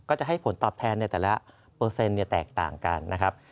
ก็จะให้ผลตอบแทนในแต่ละเปอร์เซ็นต์แตกต่างกันนะครับ